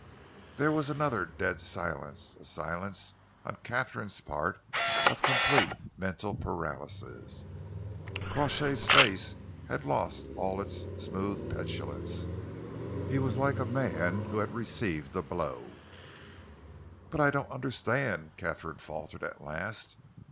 '" There was another dead silence, a silence, on Katharine's part, of complete mental paralysis. Crawshay's face had lost all its smooth petulance. He was like a man who had received a blow. "But I don't understand," Katharine faltered at last.